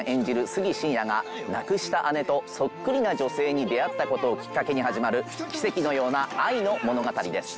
杉信也が亡くした姉とそっくりな女性に出会ったことをきっかけに始まる奇跡のような愛の物語です